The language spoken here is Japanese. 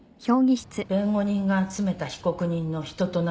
弁護人が集めた被告人の人となりの証言